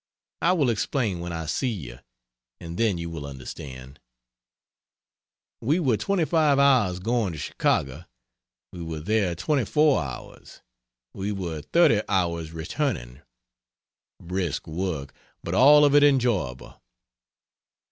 I will explain when I see you, and then you will understand. We were 25 hours going to Chicago; we were there 24 hours; we were 30 hours returning. Brisk work, but all of it enjoyable.